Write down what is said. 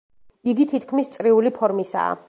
იგი თითქმის წრიული ფორმისაა.